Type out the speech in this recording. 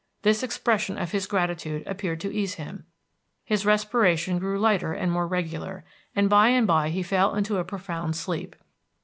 This expression of his gratitude appeared to ease him. His respiration grew lighter and more regular, and by and by he fell into a profound sleep.